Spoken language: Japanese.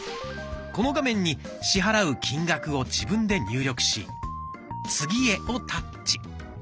この画面に支払う金額を自分で入力し「次へ」をタッチ。